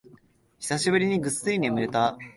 久しぶりにぐっすり眠れた